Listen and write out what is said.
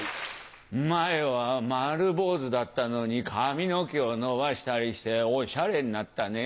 前は丸坊主だったのに髪の毛を伸ばしたりしてオシャレになったね。